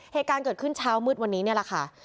เหตุการณ์เกิดขึ้นเช้ามืดวันนี้นี่แหละค่ะ